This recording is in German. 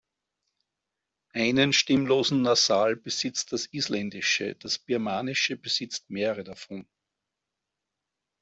Einen stimmlosen Nasal besitzt das Isländische, das Birmanische besitzt mehrere davon.